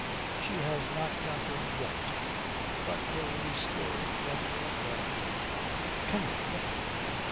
She has not got him yet, but there is still one more gun. 'Kenneth, look!'